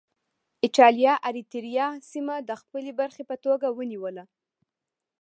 اېټالیا اریتیریا سیمه د خپلې برخې په توګه ونیوله.